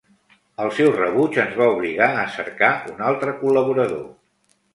El seu rebuig ens va obligar a cercar un altre col·laborador.